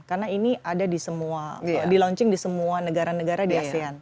karena ini ada di semua di launching di semua negara negara di asean